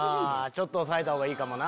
ちょっと抑えたほうがいいかもな。